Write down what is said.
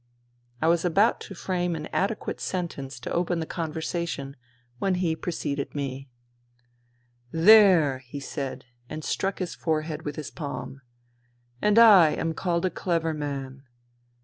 I was about to frame an adequate sentence to open conversation when he preceded me. " There !" he said, and struck his forehead with his palm. " And I am called a clever man.